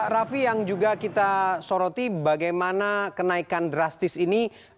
raffi yang juga kita soroti bagaimana kenaikan drastis ini